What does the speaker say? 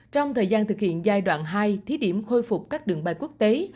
trong thời gian thực hiện giai đoạn hai thí điểm khôi phục các đường bay quốc tế